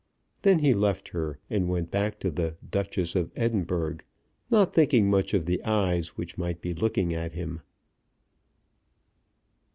Then he left her, and went back to the "Duchess of Edinburgh," not thinking much of the eyes which might be looking at him.